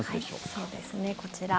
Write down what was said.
そうですね、こちら。